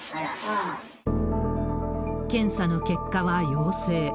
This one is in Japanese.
検査の結果は陽性。